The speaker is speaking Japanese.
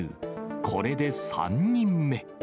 これで３人目。